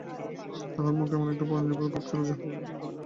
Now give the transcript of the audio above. তাঁহার মুখে এমন একটা পরনির্ভরতার ভাব ছিল, যাহা দেখিলেই সহানুভূতি জাগে।